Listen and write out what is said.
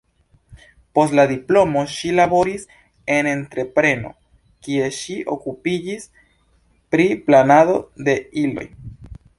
Post la diplomo ŝi laboris en entrepreno, kie ŝi okupiĝis pri planado de iloj.